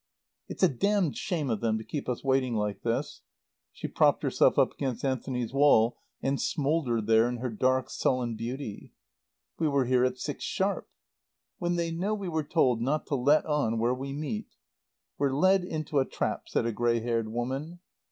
"It's a damned shame of them to keep us waiting like this." She propped herself up against Anthony's wall and smouldered there in her dark, sullen beauty. "We were here at six sharp." "When they know we were told not to let on where we meet." "We're led into a trap," said a grey haired woman.